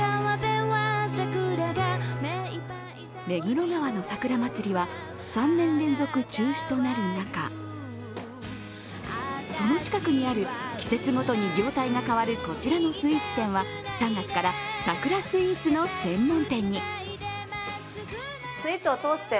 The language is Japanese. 目黒川の桜祭りは３年連続中止となる中その近くにある季節ごとに業態が変わるこちらのスイーツ店は３月から桜スイーツの専門店に。